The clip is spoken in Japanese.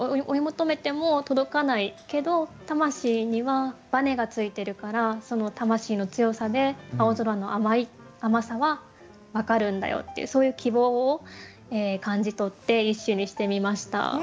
けど魂にはバネがついてるからその魂の強さで青空の甘さは分かるんだよってそういう希望を感じ取って一首にしてみました。